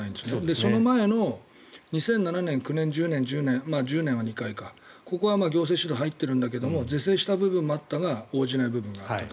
その前の２００７年、２００９年２０１０年は２回ここは行政指導が入ってるけど是正した部分もあったが応じない部分もあったと。